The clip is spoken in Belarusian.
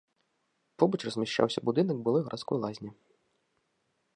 Побач размяшчаўся будынак былой гарадской лазні.